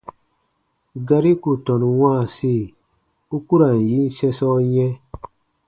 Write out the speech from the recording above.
Gari ku tɔnu wãasi, u ku ra n yin sɛ̃sɔ yɛ̃.